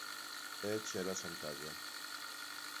É Chela Santalla.